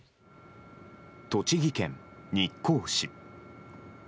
栃木県日光市。